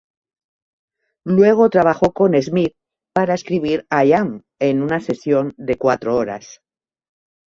Luego trabajó con Smith para escribir "I Am" en una sesión de cuatro horas.